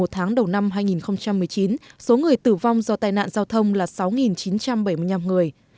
một tháng đầu năm hai nghìn một mươi chín số người tử vong do tai nạn giao thông là sáu chín trăm bảy mươi năm người